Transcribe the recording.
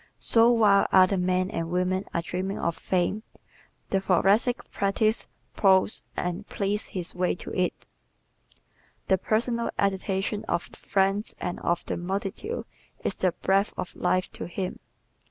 So while other men and women are dreaming of fame the Thoracic practises, ploughs and pleads his way to it. The personal adulation of friends and of the multitude is the breath of life to him.